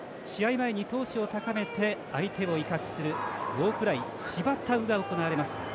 前に闘志を高めて相手を威嚇するウォークライシバタウが行われます。